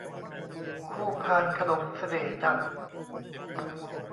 คู่พานขนมเสน่ห์จันทร์